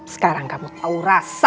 sekarang kamu tahu rasa